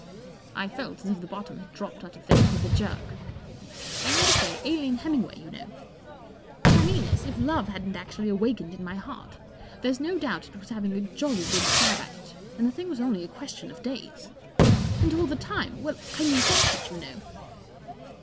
I felt as if the bottom had dropped out of things with a jerk. I mean to say, Aline Hemmingway, you know. What I mean is, if Love hadn't actually awakened in my heart, there's no doubt it was having a jolly good stab at it, and the thing was only a question of days. And all the time—well, I mean, dash it, you know.